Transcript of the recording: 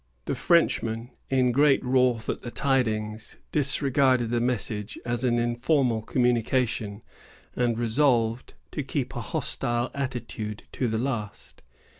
The Frenchman, in great wrath at the tidings, disregarded the message as an informal communication, and resolved to keep a hostile attitude to the last.